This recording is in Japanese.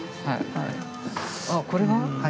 あこれは？